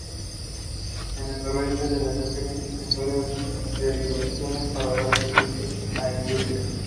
En el noreste de la estación existen varias derivaciones para dar servicio a industrias.